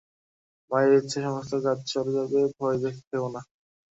মায়ের ইচ্ছায় সমস্ত কাজ চলে যাবে, ভয় খেও না।